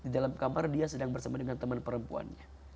dalam kamar dia sedang bersama dengan teman perempuan